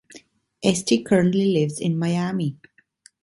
Este currently lives in Miami.